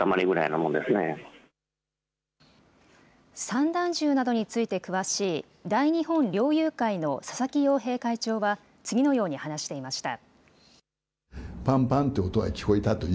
散弾銃などについて詳しい、大日本猟友会の佐々木洋平会長は、次のように話していました。